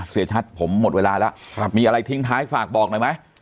เสียชัดผมหมดเวลาแล้วมีอะไรทิ้งท้ายฝากบอกหน่อยไหม